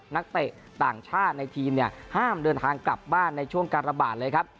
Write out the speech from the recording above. นักเตะต่างชาติในทีมเนี่ยห้ามเดินทางกลับบ้านในช่วงการระบาดเลยครับ